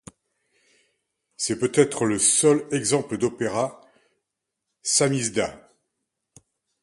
C'est peut-être le seul exemple d'opéra samizdat.